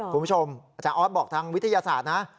คุณผู้ชมอาจารย์ออสบอกทางวิทยาศาสตร์นะ